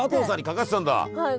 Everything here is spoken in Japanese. はい。